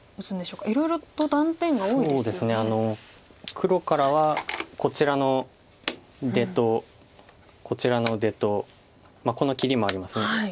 黒からはこちらの出とこちらの出とこの切りもあります。